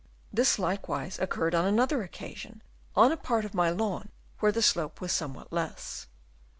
This likewise occurred on another occasion on a part of my lawn where the slope was somewhat less.